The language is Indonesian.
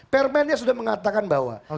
permennya sudah mengatakan bahwa